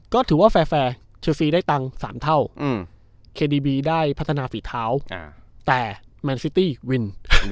ก็ถือว่าแฟร์เชลซีได้ตังค์๓เท่าเคดีบีได้พัฒนาฝีเท้าแต่แมนซิตี้วิน